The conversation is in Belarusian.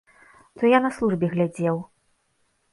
То я на службе глядзеў.